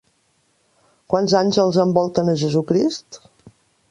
Quants àngels envolten a Jesucrist?